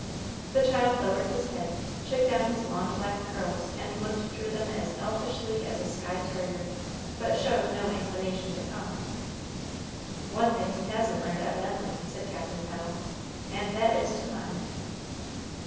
The child lowered his head, shook down his long black curls, and looked through them as elfishly as a Skye terrier, but showed no inclination to come. "One thing he hasn't learned, evidently," said Captain Pennel, "and that is to mind."